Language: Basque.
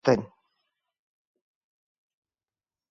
Horrela, sei egun eman zituzten.